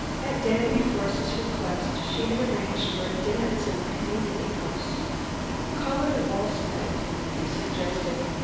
At Danby Force's request, she had arranged for a dance in the Community House. "Call it a waltz night," he suggested.